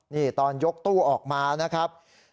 นี่ตอนยกตู้ออกมานะครับ